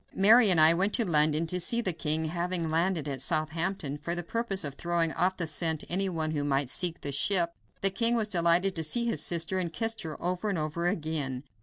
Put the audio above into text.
Mary and I went to London to see the king, having landed at Southampton for the purpose of throwing off the scent any one who might seek the ship. The king was delighted to see his sister, and kissed her over and over again.